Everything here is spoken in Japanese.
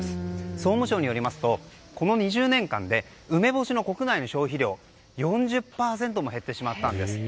総務省によりますとこの２０年間で梅干しの国内の消費量４０％も減ってしまったんです。